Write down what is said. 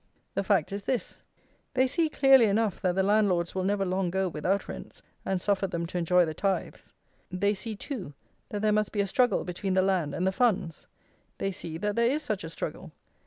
The fact is this: they see clearly enough, that the landlords will never long go without rents, and suffer them to enjoy the tithes. They see, too, that there must be a struggle between the land and the funds: they see that there is such a struggle.